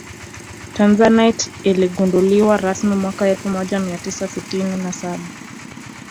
tanzanite iligunduliwa rasmi mwaka elfu moja mia tisa sitini na saba